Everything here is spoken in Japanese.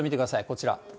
こちら。